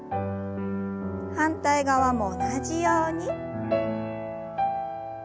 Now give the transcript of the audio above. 反対側も同じように。